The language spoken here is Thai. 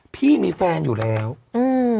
พี่มีแฟนอยู่แล้วอืม